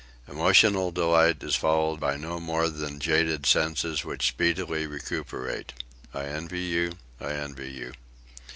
Emotional delight is followed by no more than jaded senses which speedily recuperate. I envy you, I envy you."